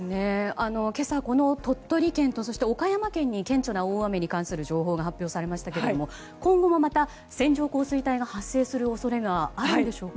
今朝、鳥取県と岡山県に顕著な大雨に関する情報が発表されましたけれども今後もまた線状降水帯が発生する恐れがあるんでしょうか？